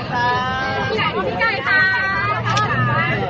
แรงหนึ่งนะ